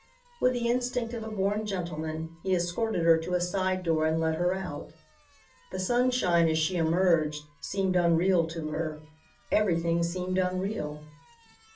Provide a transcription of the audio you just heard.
With the instinct of a born gentleman he escorted her to a side door and let her out. The sunshine, as she emerged, seemed unreal to her. Everything seemed unreal.